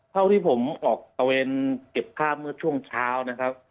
เท่าที่ผมออกตะเวนเก็บข้าวเมื่อช่วงเช้านะครับ